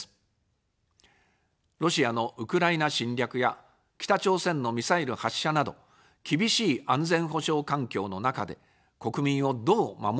ロシアのウクライナ侵略や北朝鮮のミサイル発射など、厳しい安全保障環境の中で、国民をどう守り抜くか。